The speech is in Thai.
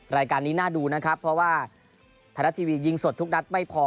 รายการนี้น่าดูนะครับเพราะว่าไทยรัฐทีวียิงสดทุกนัดไม่พอ